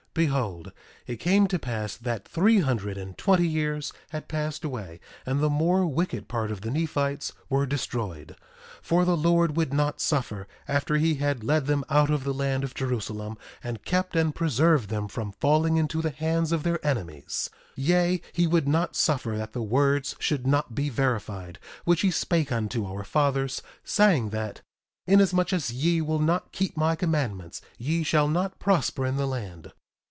1:5 Behold, it came to pass that three hundred and twenty years had passed away, and the more wicked part of the Nephites were destroyed. 1:6 For the Lord would not suffer, after he had led them out of the land of Jerusalem and kept and preserved them from falling into the hands of their enemies, yea, he would not suffer that the words should not be verified, which he spake unto our fathers, saying that: Inasmuch as ye will not keep my commandments ye shall not prosper in the land.